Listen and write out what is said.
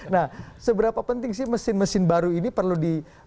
nah seberapa penting sih mesin mesin baru ini perlu di